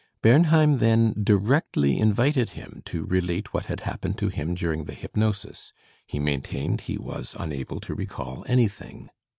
Bernheim then directly invited him to relate what had happened to him during the hypnosis. He maintained he was unable to recall anything.